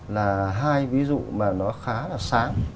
là hai ví dụ mà nó khá là sáng